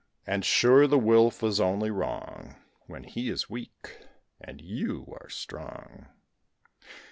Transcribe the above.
And sure the Wolf is only wrong When he is weak and you are strong.